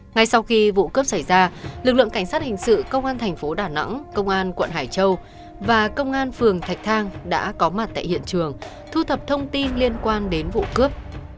ngay sau khi vụ cướp xảy ra lực lượng cảnh sát hình sự công an thành phố đà nẵng công an quận hải châu và công an phường thạch thang đã có mặt tại hiện trường thu thập thông tin liên quan đến vụ cướp